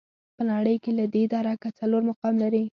په نړۍ کې له دې درکه څلورم مقام لري.